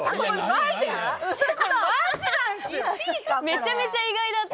めちゃめちゃ意外だった。